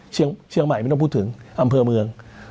เชียงใหม่ไม่ต้องพูดถึงอำเภอเมือง